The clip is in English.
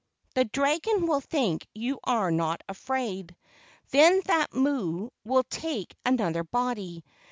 The dragon will think you are not afraid. Then that mo o will take another body.